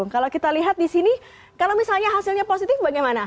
kalau kita lihat di sini kalau misalnya hasilnya positif bagaimana